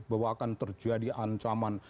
bahwa akan terjadi ancaman